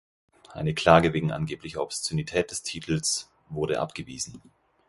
Eine Klage wegen angeblicher Obszönität des Titels wurde abgewiesen.